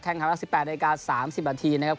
แข่งคำลักษณ์๑๘รายการ๓๐นาทีนะครับ